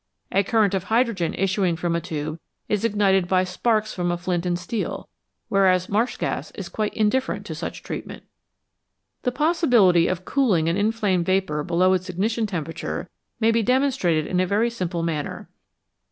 A current of hydrogen issuing from a tube is ignited by sparks from a flint and steel, whereas marsh gas is quite indifferent to such treatment. The possibility of cooling an inflamed vapour below its ignition temperature may be demonstrated in a very simple manner.